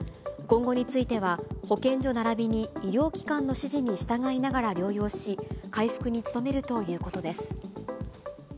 今後については保健所ならびに医療機関の指示に従いながら療養し、回復に努めるということです。